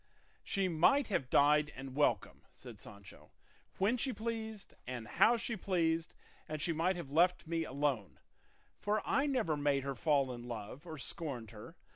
"She might have died and welcome," said Sancho, "when she pleased and how she pleased; and she might have left me alone, for I never made her fall in love or scorned her.